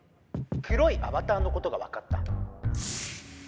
黒いアバターのことがわかった。